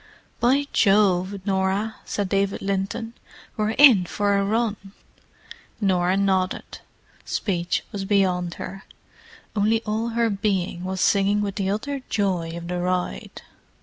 "By Jove, Norah!" said David Linton, "we're in for a run!" Norah nodded. Speech was beyond her; only all her being was singing with the utter joy of the ride.